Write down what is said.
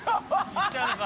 行っちゃうのか？